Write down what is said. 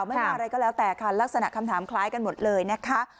ไม่มีอะไรก็แล้วแต่ค่ะลักษณะคำถามคล้ายกันหมดเลยนะคะ